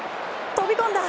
飛び込んだ！